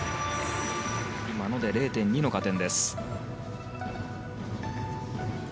今ので０．２の加点。